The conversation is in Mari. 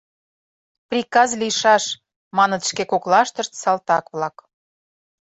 — Приказ лийшаш, — маныт шке коклаштышт салтак-влак.